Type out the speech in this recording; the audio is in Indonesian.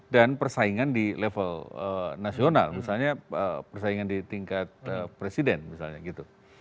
dan persaingan di level nasional misalnya persaingan di tingkat presiden misalnya gitu